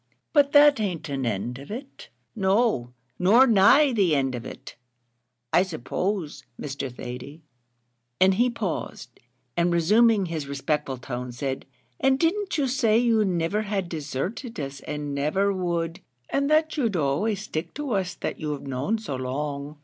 "But that an't an end of it; no, nor nigh the end of it; I suppose, Mr. Thady," and he paused, and, resuming his respectful tone, said, "and didn't you say you niver had deserted us and niver would, and that you'd always stick to us that you've known so long?